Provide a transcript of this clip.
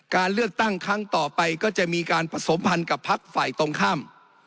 การเลือกตั้งครั้งต่อไปก็จะมีการผสมพันธ์กับพักฝ่ายตรงข้าม